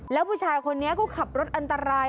แล้วผู้ชายคนนี้ก็ขับรถอันตราย